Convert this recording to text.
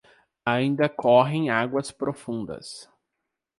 Ainda correm águas profundas